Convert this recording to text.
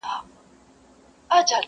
ه ویري ږغ کولای نه سم٫